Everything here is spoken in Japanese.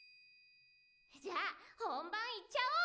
・じゃあ本番いっちゃおう！